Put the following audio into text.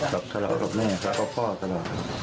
ครับทะเลาะกับแม่ครับครับพ่อพ่อ